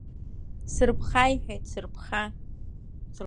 Сырԥха, иҳәеит, сырԥха!